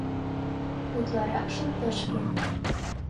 — Утларакшым — тышке...